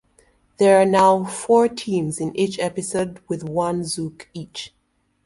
There are now four teams in each episode with one zook each.